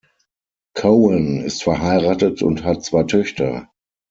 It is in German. Cowen ist verheiratet und hat zwei Töchter.